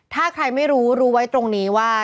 ถ้าใครไม่รู้รู้ไว้ตรงนี้ว่า